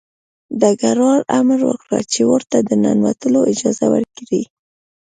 ډګروال امر وکړ چې ورته د ننوتلو اجازه ورکړي